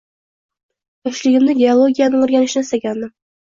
Yoshligimda geologiyani oʻrganishni istagandim